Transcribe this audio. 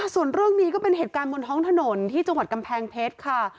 ส่วนเรื่องนี้ก็เป็นเหตุการณ์บนท้องถนนที่จังหวัดกำแพงเพชรค่ะ